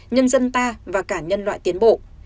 nhân dân ta và cả nhân loại tiến bộ